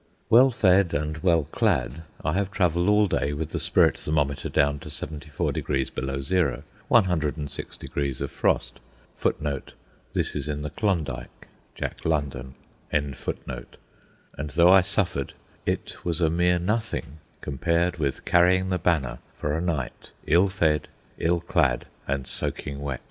Well fed and well clad, I have travelled all day with the spirit thermometer down to seventy four degrees below zero—one hundred and six degrees of frost; and though I suffered, it was a mere nothing compared with carrying the banner for a night, ill fed, ill clad, and soaking wet.